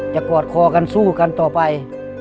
กอดคอกันสู้กันต่อไป